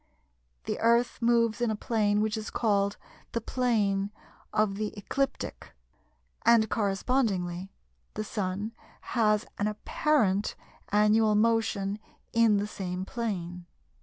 The Earth moves in a plane which is called the "Plane of the Ecliptic," and correspondingly, the Sun has an apparent annual motion in the same plane.